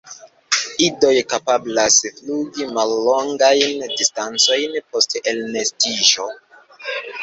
Idoj kapablas flugi mallongajn distancojn post elnestiĝo.